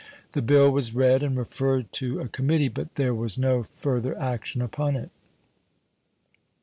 The bill was read and referred to a committee, but there was no further action upon it.